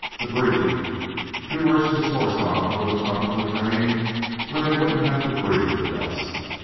"Agreed." Drew urged his horse on toward the front of the train where they wouldn't have to breathe the dust.